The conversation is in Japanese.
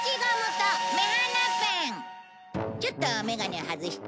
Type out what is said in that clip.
ちょっと眼鏡を外して。